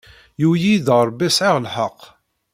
Yuwey-iyi-d Ṛebbi sɛiɣ lḥeqq.